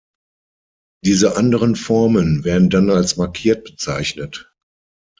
Diese anderen Formen werden dann als markiert bezeichnet.